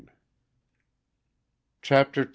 CHAPTER II.